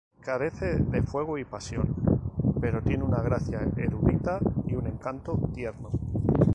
Carece de fuego y pasión, pero tiene una gracia erudita y un encanto tierno.